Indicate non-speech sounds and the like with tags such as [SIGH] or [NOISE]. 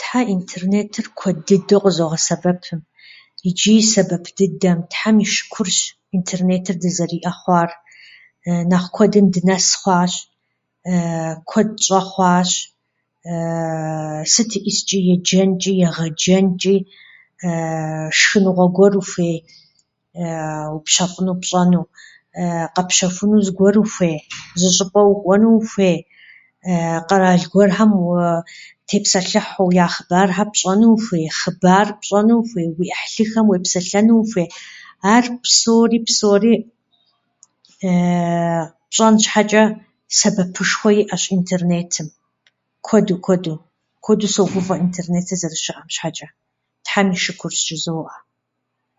Тхьэ, интернетыр куэд дыдэу къызогъэсэбэпым ичӏи сэбэп дыдэм. Тхьэм и шыкурщ интернетыр дызэриӏэ хъуар. [HESITATION] Нэхъ куэдым дынэс хъуащ, [HESITATION] куэд тщӏэ хъуащ, [HESITATION] сыт иӏисчӏи, еджэнчӏи, егъэджэнчӏи, [HESITATION] шхыныгъуэ гуэр ухуей, [HESITATION] упщэфӏыну, пщӏэну, [HESITATION] къэпщэхуну зыгуэр ухуей, зы щӏыпӏэ укӏуэну ухуей, [HESITATION] къэрал гуэрхэм у- тепсэлъыхьу, я хъыбархэр пщӏэну ухуей, хъыбар пщӏэну ухуей, уи ӏыхьлыхэм уепсэлъэну ухуей. Ар псори, псори [HESITATION] пщӏэн щхьэчӏэ сэбэпышхуэ иӏэщ интернетым, куэду, куэду. Куэду согуфӏэ интернетыр зэрыщыӏэм щхьэчӏэ. Тхьэм и шыкурщ, жызоӏэ.